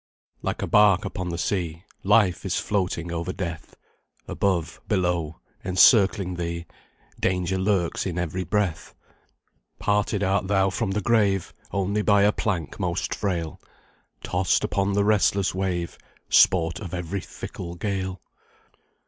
"Like a bark upon the sea, Life is floating over death; Above, below, encircling thee, Danger lurks in every breath. Parted art thou from the grave Only by a plank most frail; Tossed upon the restless wave, Sport of every fickle gale.